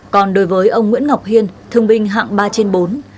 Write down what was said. còn đối với ông nguyễn ngọc hiên thương binh hạng ba trên bốn